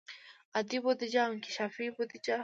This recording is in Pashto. عادي بودیجه او انکشافي بودیجه.